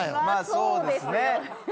まあそうですね。